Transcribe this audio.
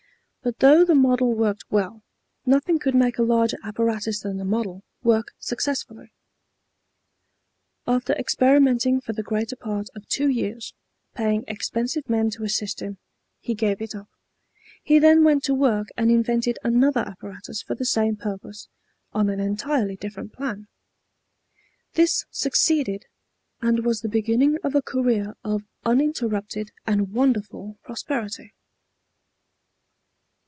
But though the model worked well, nothing could make a larger apparatus than the model work successfully. After experimenting for the greater part of two years, paying expensive men to assist him, he gave it up. He then went to work and invented another apparatus for the same purpose, on an entirely different plan. This succeeded, and was the beginning of a career of uninterrupted and wonderful prosperity.